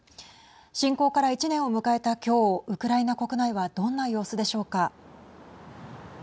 侵攻から１年を迎えた今日ウクライナ国内はどんな様子でしょうか。